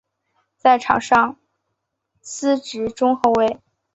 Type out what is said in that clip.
在场上司职中后卫。